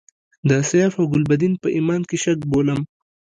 د سیاف او ګلبدین په ایمان کې شک بولم.